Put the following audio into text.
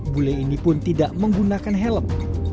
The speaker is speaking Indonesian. bule ini pun tidak menggunakan helm